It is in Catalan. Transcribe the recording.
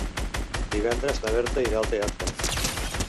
Divendres na Berta irà al teatre.